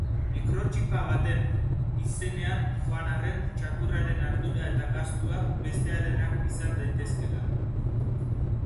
Mikrotxipa baten izenean joan arren, txakurraren ardura eta gastuak bestearenak izan daitezkeelako.